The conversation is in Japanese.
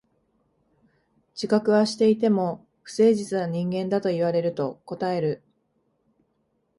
自覚はしていても、不誠実な人間だと言われると応える。